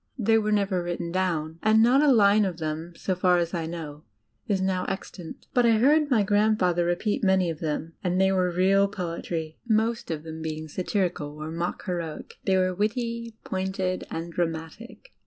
They were never written down, and not a line of them, so far as I know, is now extant. But I heard my grandfather repeat many of them, and they were real poet ry, most of them being satirical or mock heroic. They were witty, pointed, and dramatic.